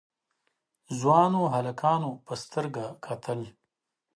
ځوانو هلکانو په سترګه کتل.